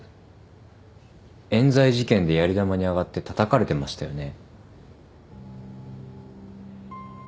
冤罪事件でやり玉に挙がってたたかれてましたよね。